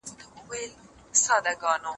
او استمعارونکي دا سیمه حایلول.